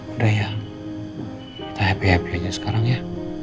udah ya kita happy happy aja sekarang ya